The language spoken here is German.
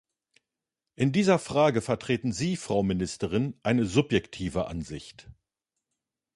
In dieser Frage vertreten Sie, Frau Ministerin, eine subjektive Ansicht.